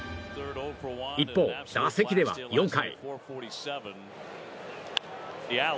一方、打席では４回。